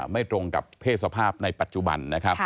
ไม่ตรงกับเพศสภาพในปัจจุบันนะครับ